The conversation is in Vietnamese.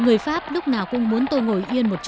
người pháp lúc nào cũng muốn tôi ngồi yên một chỗ